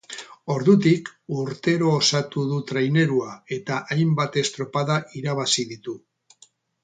Ordutik urtero osatu du trainerua eta hainbat estropada irabazi ditu.